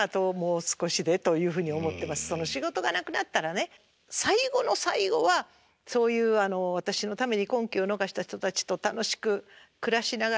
仕事がなくなったらね最後の最後はそういう私のために婚期を逃した人たちと楽しく暮らしながら孫に孫の世話したりとか。